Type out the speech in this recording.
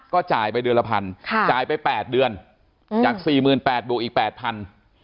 ก็จ่ายไปเดือนละพันค่ะจ่ายไป๘เดือนจากสี่หมื่นแปดบวกอีกแปดพัน